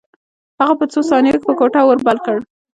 هغه په څو ثانیو کې په کوټه اور بل کړ